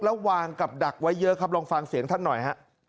แล้ววางกับดักไว้เยอะครับลองฟังเสียงท่านหน่อยฮะ